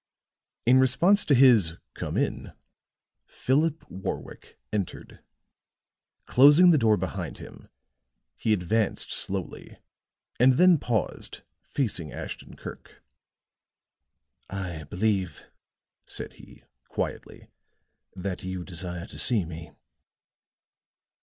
In response to his "Come in," Philip Warwick entered. Closing the door behind him, he advanced slowly, and then paused facing Ashton Kirk. "I believe," said he, quietly, "that you desire to see me."